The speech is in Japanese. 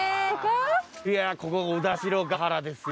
いやここ小田代原ですよ